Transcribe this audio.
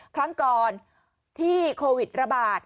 ครั้งก่อนที่โควิดระบาด